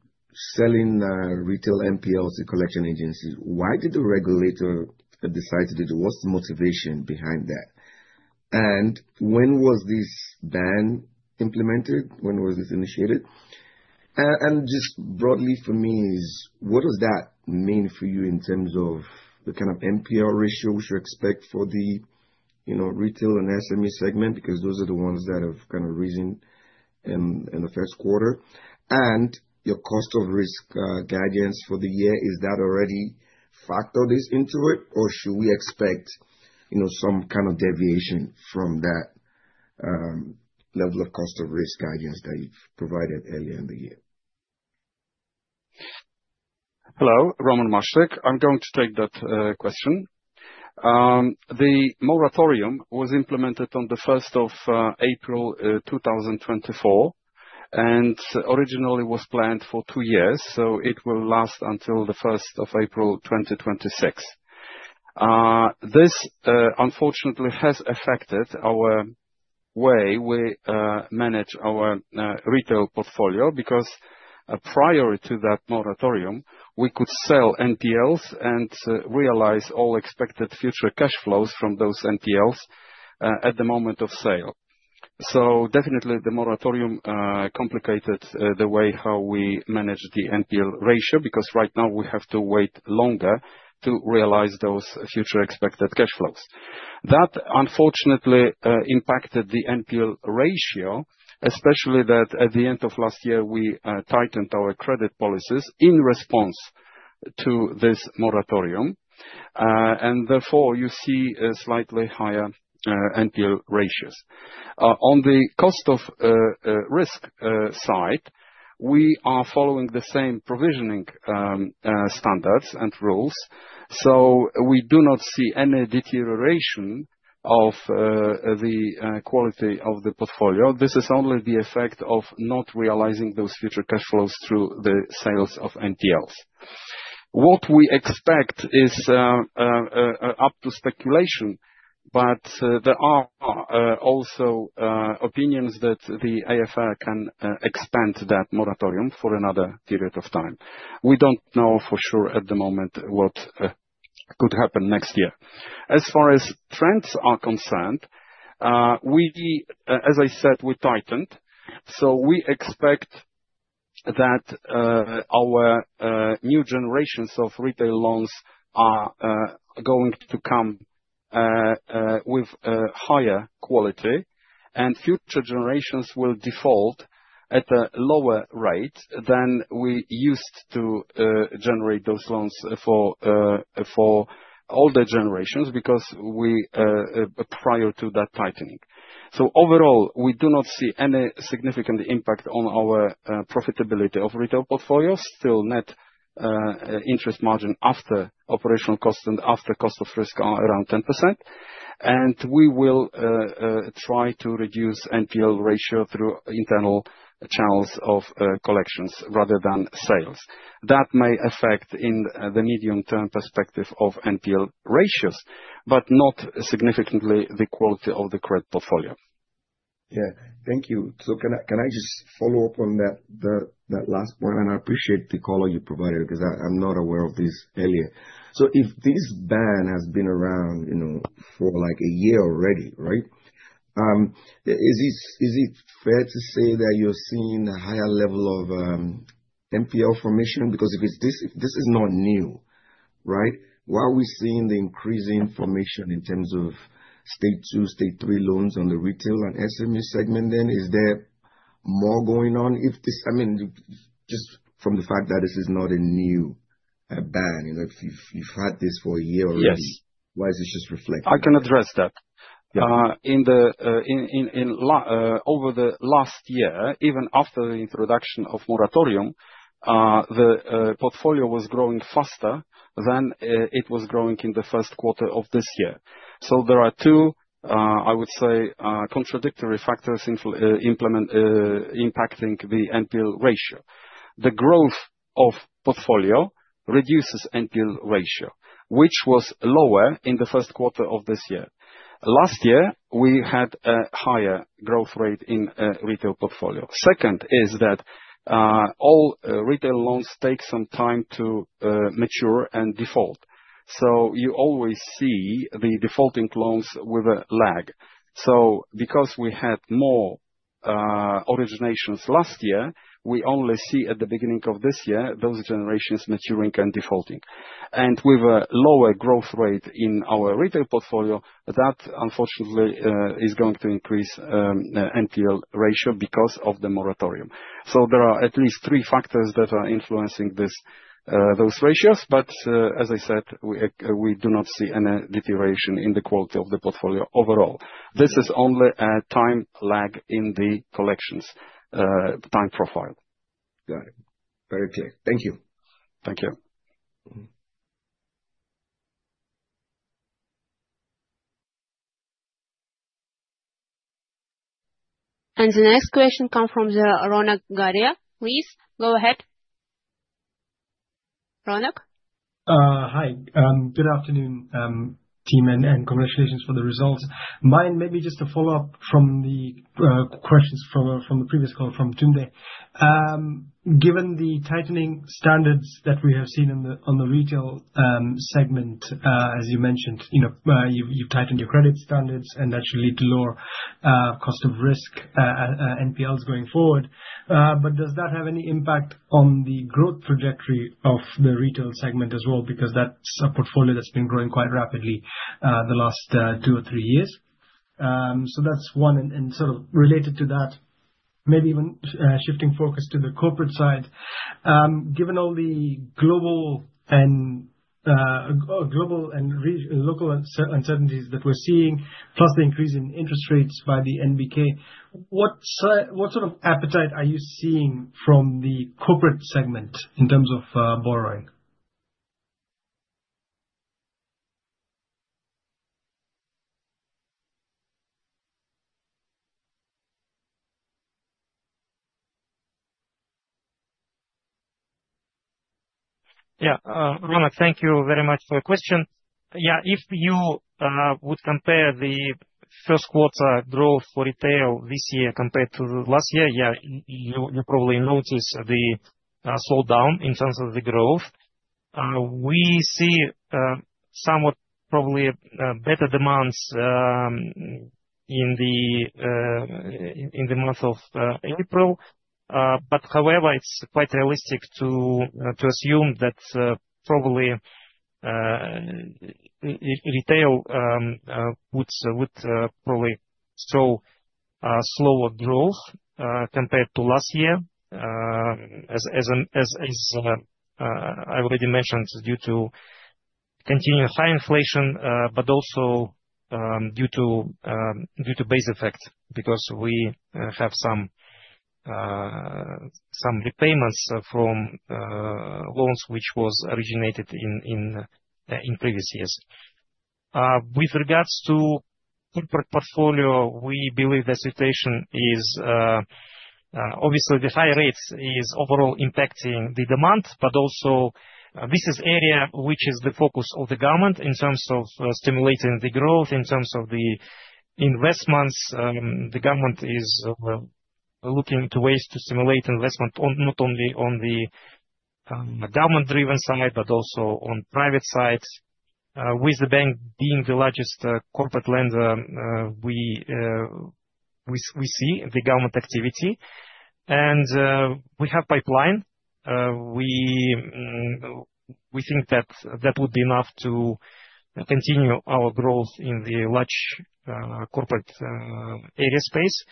selling retail NPLs to collection agencies, why did the regulator decide to do that? What's the motivation behind that? When was this ban implemented? When was this initiated? Just broadly for me, what does that mean for you in terms of the kind of NPL ratio we should expect for the retail and SME segment? Those are the ones that have kind of risen in the first quarter. Your cost of risk guidance for the year, is that already factored into it, or should we expect some kind of deviation from that level of cost of risk guidance that you've provided earlier in the year? Hello. Roman Maszczyk. I'm going to take that question. The moratorium was implemented on the 1st of April 2024, and originally was planned for two years, so it will last until the 1st of April 2026. This, unfortunately, has affected our way we manage our retail portfolio because prior to that moratorium, we could sell NPLs and realize all expected future cash flows from those NPLs at the moment of sale. Definitely, the moratorium complicated the way how we manage the NPL ratio because right now we have to wait longer to realize those future expected cash flows. That, unfortunately, impacted the NPL ratio, especially that at the end of last year, we tightened our credit policies in response to this moratorium. Therefore, you see slightly higher NPL ratios. On the cost of risk side, we are following the same provisioning standards and rules. We do not see any deterioration of the quality of the portfolio. This is only the effect of not realizing those future cash flows through the sales of NPLs. What we expect is up to speculation, but there are also opinions that the AFR can expand that moratorium for another period of time. We do not know for sure at the moment what could happen next year. As far as trends are concerned, as I said, we tightened. We expect that our new generations of retail loans are going to come with higher quality, and future generations will default at a lower rate than we used to generate those loans for older generations prior to that tightening. Overall, we do not see any significant impact on our profitability of retail portfolios. Still, net interest margin after operational costs and after cost of risk are around 10%. We will try to reduce NPL ratio through internal channels of collections rather than sales. That may affect in the medium-term perspective of NPL ratios, but not significantly the quality of the credit portfolio. Yeah. Thank you. Can I just follow up on that last point? I appreciate the call you provided because I'm not aware of this earlier. If this ban has been around for like a year already, right, is it fair to say that you're seeing a higher level of NPL formation? If this is not new, why are we seeing the increasing formation in terms of stage two, stage three loans on the retail and SME segment then? Is there more going on? I mean, just from the fact that this is not a new ban, if you've had this for a year already, why is it just reflected? I can address that. In over the last year, even after the introduction of moratorium, the portfolio was growing faster than it was growing in the first quarter of this year. There are two, I would say, contradictory factors impacting the NPL ratio. The growth of portfolio reduces NPL ratio, which was lower in the first quarter of this year. Last year, we had a higher growth rate in retail portfolio. Second is that all retail loans take some time to mature and default. You always see the defaulting loans with a lag. Because we had more originations last year, we only see at the beginning of this year those generations maturing and defaulting. With a lower growth rate in our retail portfolio, that unfortunately is going to increase NPL ratio because of the moratorium. There are at least three factors that are influencing those ratios. As I said, we do not see any deterioration in the quality of the portfolio overall. This is only a time lag in the collections time profile. Got it. Very clear. Thank you. Thank you. The next question comes from Ronak Garya. Please go ahead. Ronak? Hi. Good afternoon, team, and congratulations for the results. Mine, maybe just a follow-up from the questions from the previous call from Tundra. Given the tightening standards that we have seen on the retail segment, as you mentioned, you've tightened your credit standards, and that should lead to lower cost of risk NPLs going forward. Does that have any impact on the growth trajectory of the retail segment as well? That is a portfolio that's been growing quite rapidly the last two or three years. That is one. Sort of related to that, maybe even shifting focus to the corporate side. Given all the global and local uncertainties that we're seeing, plus the increase in interest rates by the NBRKA, what sort of appetite are you seeing from the corporate segment in terms of borrowing? Yeah. Ronak, thank you very much for your question. Yeah. If you would compare the first quarter growth for retail this year compared to last year, yeah, you probably notice the slowdown in terms of the growth. We see somewhat probably better demands in the month of April. However, it's quite realistic to assume that probably retail would probably show a slower growth compared to last year, as I already mentioned, due to continued high inflation, but also due to base effect because we have some repayments from loans which were originated in previous years. With regards to corporate portfolio, we believe the situation is obviously the high rates are overall impacting the demand, but also this is an area which is the focus of the government in terms of stimulating the growth, in terms of the investments. The government is looking into ways to stimulate investment not only on the government-driven side, but also on the private side. With the bank being the largest corporate lender, we see the government activity. We have a pipeline. We think that would be enough to continue our growth in the large corporate area space.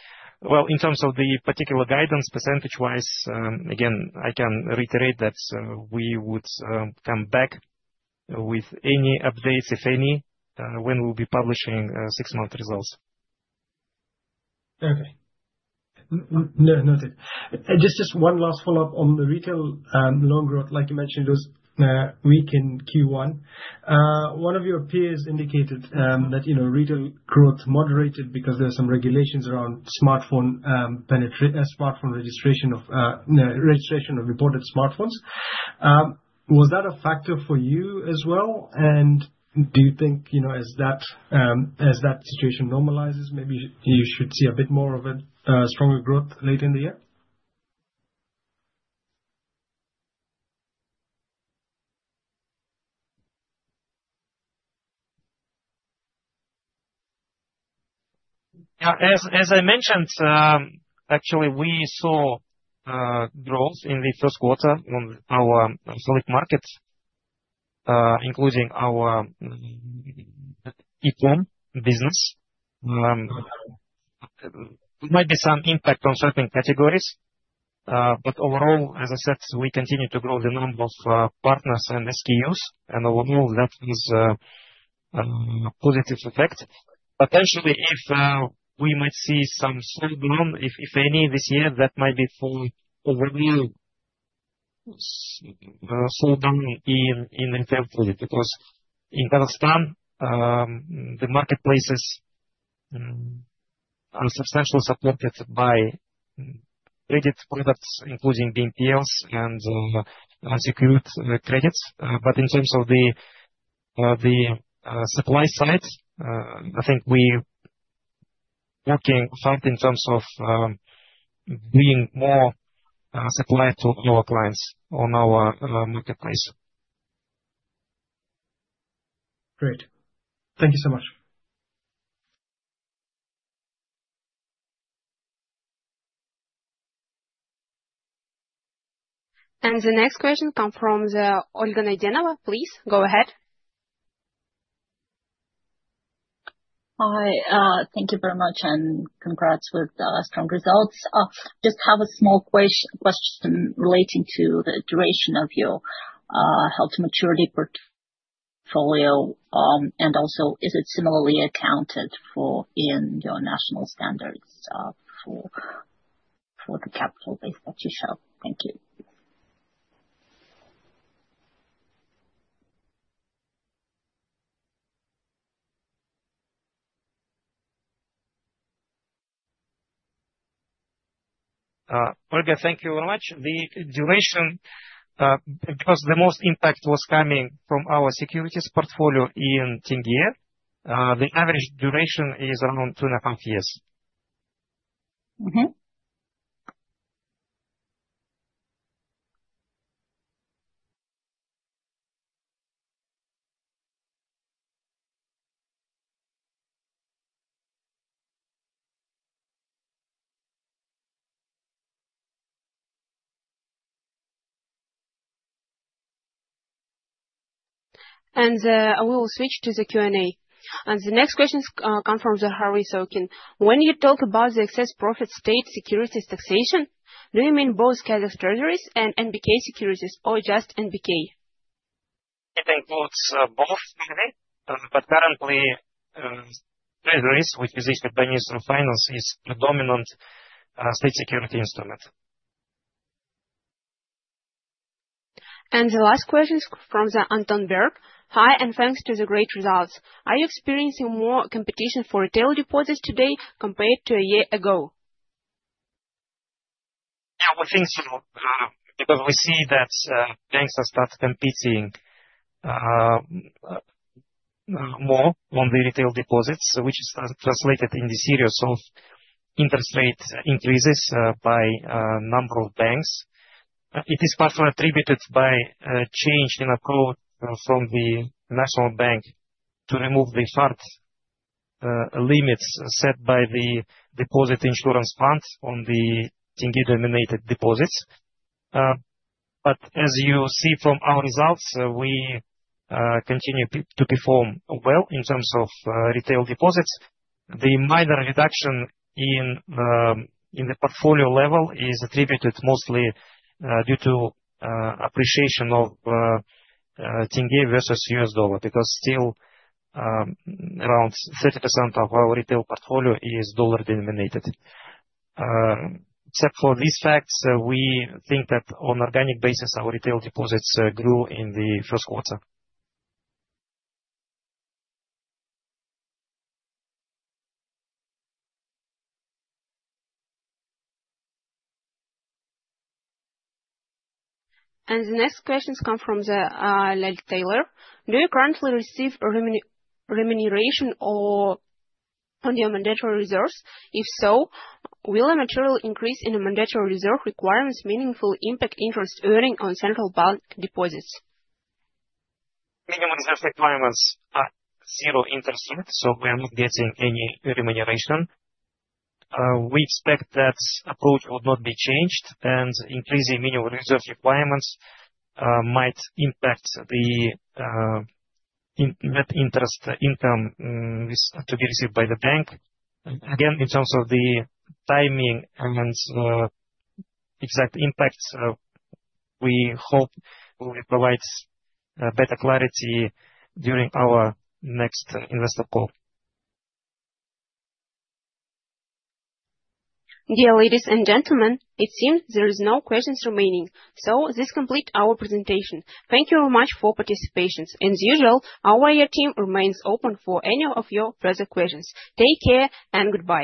In terms of the particular guidance, percentage-wise, again, I can reiterate that we would come back with any updates, if any, when we will be publishing six-month results. Okay. Noted. Just one last follow-up on the retail loan growth. Like you mentioned, it was weak in Q1. One of your peers indicated that retail growth moderated because there are some regulations around smartphone registration of imported smartphones. Was that a factor for you as well? Do you think as that situation normalizes, maybe you should see a bit more of a stronger growth later in the year? Yeah. As I mentioned, actually, we saw growth in the first quarter on our select markets, including our EPOM business. There might be some impact on certain categories. Overall, as I said, we continue to grow the number of partners and SKUs. Overall, that is a positive effect. Potentially, if we might see some slowdown, if any, this year, that might be for overall slowdown in retail credit because in Kazakhstan, the marketplaces are substantially supported by credit products, including BMPLs and secured credits. In terms of the supply side, I think we are working hard in terms of bringing more supply to our clients on our marketplace. Great. Thank you so much. The next question comes from Olga Naydenova. Please go ahead. Hi. Thank you very much. Congrats with strong results. Just have a small question relating to the duration of your held to maturity portfolio. Also, is it similarly accounted for in your national standards for the capital base that you show? Thank you. Olga, thank you very much. The duration, because the most impact was coming from our securities portfolio in 10 years, the average duration is around two and a half years. We will switch to the Q&A. The next question comes from Zaharie Sokin. When you talk about the excess profit state securities taxation, do you mean both Kazakh treasuries and NBK securities or just NBK? It includes both, I think. Currently, treasuries, which is issued by NBRKA, is the dominant state security instrument. The last question is from Anton Berg. Hi, and thanks to the great results. Are you experiencing more competition for retail deposits today compared to a year ago? Yeah, we think so because we see that banks have started competing more on the retail deposits, which is translated in the series of interest rate increases by a number of banks. It is partially attributed to a change in approach from the National Bank to remove the hard limits set by the deposit insurance fund on the KZT-denominated deposits. As you see from our results, we continue to perform well in terms of retail deposits. The minor reduction in the portfolio level is attributed mostly due to appreciation of KZT versus the U.S. dollar because still around 30% of our retail portfolio is dollar-denominated. Except for these facts, we think that on an organic basis, our retail deposits grew in the first quarter. The next questions come from Lily Taylor. Do you currently receive remuneration on your mandatory reserves? If so, will a material increase in mandatory reserve requirements meaningfully impact interest earning on central bank deposits? Minimum reserve requirements are zero interest rate, so we are not getting any remuneration. We expect that approach would not be changed, and increasing minimum reserve requirements might impact the net interest income to be received by the bank. Again, in terms of the timing and exact impacts, we hope we will provide better clarity during our next investor call. Dear ladies and gentlemen, it seems there are no questions remaining. This completes our presentation. Thank you very much for participation. As usual, our IR team remains open for any of your further questions. Take care and goodbye.